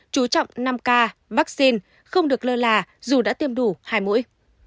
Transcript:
chú trọng năm ca vaccine không được lơ là dù đã tiêm đủ hai mũi